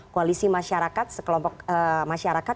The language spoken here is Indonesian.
koalisi masyarakat sekelompok masyarakat